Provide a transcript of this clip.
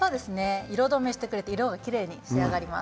色止めしてくれて色がきれいに仕上がります。